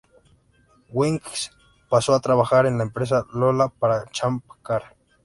Wiggins pasó a trabajar en la empresa Lola para Champ Car.